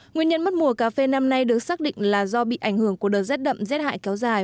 nguyên nhân mất mùa cà phê năm nay được xác định là do bị ảnh hưởng của đợt rét đậm rét hại kéo dài